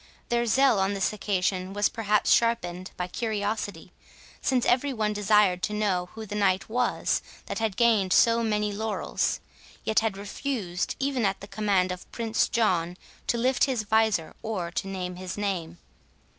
Their zeal on this occasion was perhaps sharpened by curiosity, since every one desired to know who the knight was that had gained so many laurels, yet had refused, even at the command of Prince John, to lift his visor or to name his name.